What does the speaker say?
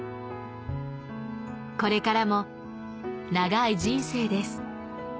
「これからも長い人生です。